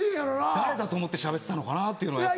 誰だと思ってしゃべってたのかなっていうのは。